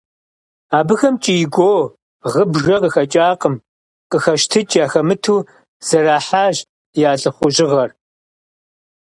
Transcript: Абыхэм кӀий-гуо, гъы-бжэ къахэкӀакъым – къыхэщтыкӀ яхэмыту, зэрахьащ я лӀыхъужьыгъэр.